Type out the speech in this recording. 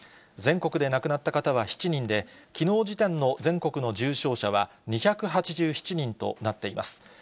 全国で亡くなった方は７人で、きのう時点の全国の重症者は２８７人となっています。